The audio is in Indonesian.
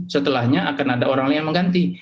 setelahnya akan ada orang lain yang mengganti